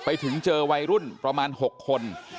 ไปถึงเจอวัยรุ่นประมาณ๖คน